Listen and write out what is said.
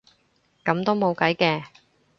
噉都冇計嘅